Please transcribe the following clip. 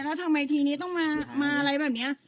แล้วทำไมทีนี้ต้องมาอะไรแบบนี้